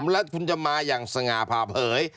แล้วคุณจะมาอย่างสง่าผ่าเผย